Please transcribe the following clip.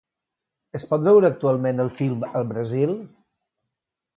Es pot veure actualment el film al Brasil?